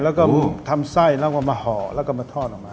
แล้วก็ทำไส้แล้วก็มาห่อแล้วก็มาทอดออกมา